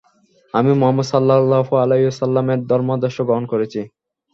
আমি মুহাম্মদ সাল্লাল্লাহু আলাইহি ওয়াসাল্লামের ধর্মাদর্শ গ্রহণ করেছি।